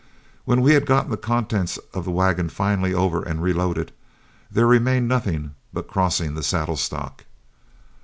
When we had got the contents of the wagon finally over and reloaded, there remained nothing but crossing the saddle stock.